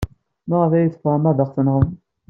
Maɣef ay tebɣam ad aɣ-tenɣem?